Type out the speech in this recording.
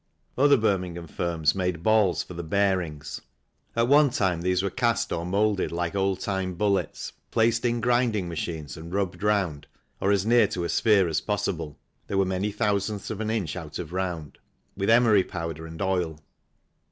Other Birmingham firms made balls for the bearings ; at one time these were cast or moulded like old time bullets, placed in grinding machines and rubbed round (or as near to a sphere as possible, they were many thousandths of an inch out of round) with emery powder and oil.